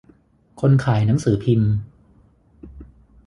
คนขายหนังสือพิมพ์